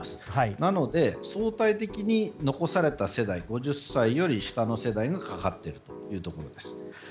なので、相対的に残された世代５０歳より下の世代がかかっているということです。